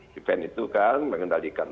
prevent itu kan mengendalikan